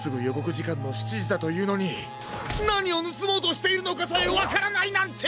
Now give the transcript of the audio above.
じかんの７じだというのになにをぬすもうとしているのかさえわからないなんて！